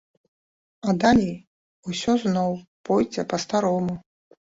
А далей усё зноў пойдзе па-старому.